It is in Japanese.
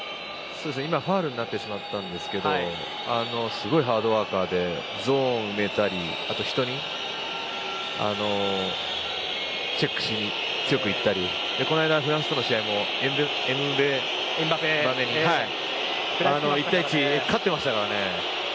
今、ファウルになってしまいましたがすごいハードワーカーでゾーンを埋めたり人に強くチェックしに行ったりこの間、フランスとの試合もエムバペに１対１で勝ってましたからね。